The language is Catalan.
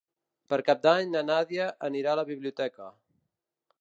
Per Cap d'Any na Nàdia anirà a la biblioteca.